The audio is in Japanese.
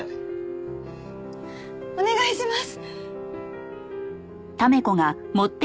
お願いします！